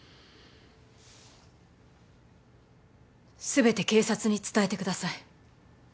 全て警察に伝えてください。